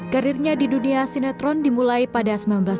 karirnya di dunia sinetron dimulai pada seribu sembilan ratus sembilan puluh